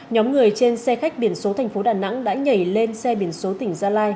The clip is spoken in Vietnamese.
nhóm người trên xe khách biển số thành phố đà nẵng đã nhảy lên xe biển số tỉnh gia lai